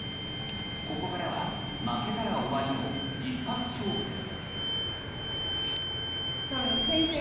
ここからは負けたら終わりの一発勝負です。